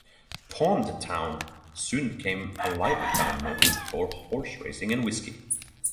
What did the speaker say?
Pond Town soon became a lively town noted for horse racing and whiskey.